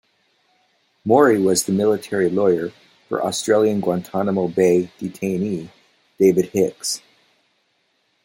Mori was the military lawyer for Australian Guantanamo Bay detainee David Hicks.